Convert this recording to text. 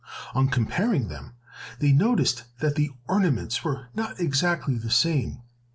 On comparing them, they noticed that the ornaments were not exactly the same.